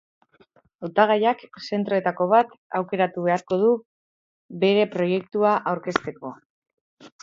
Hautagaiak zentroetako bat aukeratu beharko du bere proiektua aurkezteko.